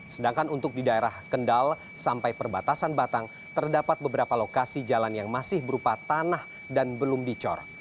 sedangkan untuk di daerah kendal sampai perbatasan batang terdapat beberapa lokasi jalan yang masih berupa tanah dan belum dicor